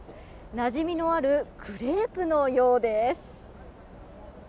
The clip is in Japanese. なじみのあるクレープのようです。